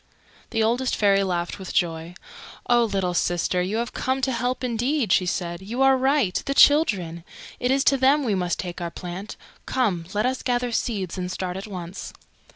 The Oldest Fairy laughed with joy. "Oh, little sister, you have come to help indeed!" she said. "You are right. The Children! It is to them we must take our plant. Come, let us gather seeds and start at once."